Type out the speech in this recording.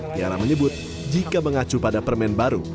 tiara menyebut jika mengacu pada permen baru